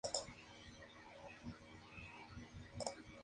Esto provocó la protesta de algunos grupos de defensa de los derechos humanos.